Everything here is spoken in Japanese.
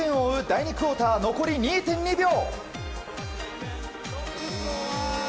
第２クオーター残り２．２秒。